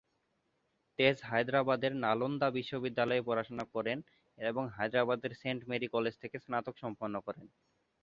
তেজ হায়দ্রাবাদের নালন্দা বিদ্যালয়ে পড়াশোনা করেন এবং হায়দ্রাবাদের সেন্ট মেরি কলেজ থেকে স্নাতক সম্পন্ন করেন।